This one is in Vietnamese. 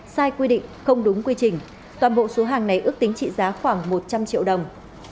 sai quy định không đúng quy trình toàn bộ số hàng này ước tính trị giá khoảng một trăm linh triệu đồng